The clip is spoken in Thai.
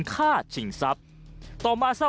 มันกลับมาแล้ว